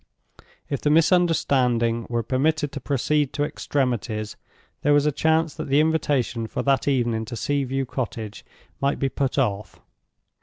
If the misunderstanding were permitted to proceed to extremities, there was a chance that the invitation for that evening to Sea view Cottage might be put off.